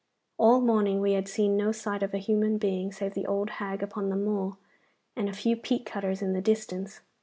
All morning we had seen no sight of a human being, save the old hag upon the moor and a few peat cutters in the distance.